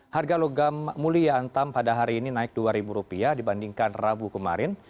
harga logam mulia antam pada hari ini naik rp dua dibandingkan rabu kemarin